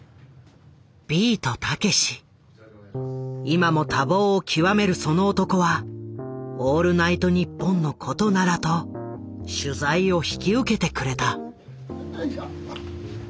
今も多忙を極めるその男は「オールナイトニッポン」のことならと取材を引き受けてくれた。